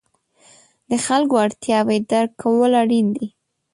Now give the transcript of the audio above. د خلکو اړتیاوې درک کول اړین دي.